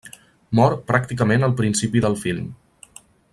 Mor pràcticament al principi del film.